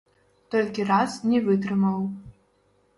Толькі раз не вытрымаў.